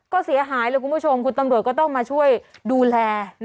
ก็เสียหายเลยคุณผู้ชมคุณตำรวจก็ต้องมาช่วยดูแล